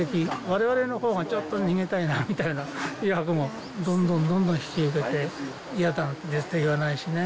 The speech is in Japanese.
われわれのほうがちょっと逃げたいなみたいな役も、どんどんどんどん引き受けて、嫌だなんて、絶対言わないしね。